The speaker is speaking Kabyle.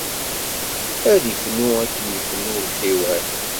Ad ifnu akken ifennu lḥiwan.